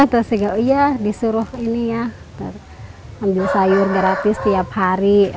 terus ya disuruh ini ya ambil sayur gratis tiap hari